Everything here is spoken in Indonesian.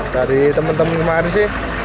dari teman teman kemarin sih